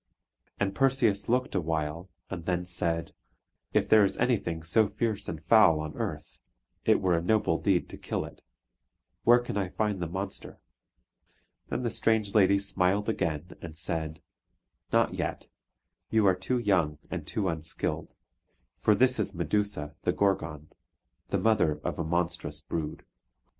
And Perseus looked awhile, and then said: "If there is anything so fierce and foul on earth, it were a noble deed to kill it. Where can I find the monster?" Then the strange lady smiled again, and said: "Not yet; you are too young, and too unskilled; for this is Medusa the Gorgon, the mother of a monstrous brood."